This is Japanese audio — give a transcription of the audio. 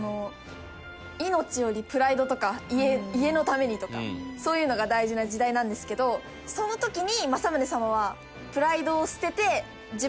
家のためにとかそういうのが大事な時代なんですけどその時に。